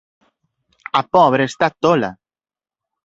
A pobre está tola.